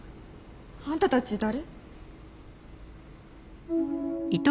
あんたたち誰？